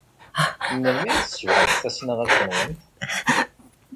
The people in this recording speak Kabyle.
Melmi ay tsebɣemt tasnasɣalt-nwent?